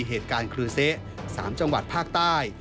เหตุการณ์ครูเซะ๓จังหวัดภาคใต้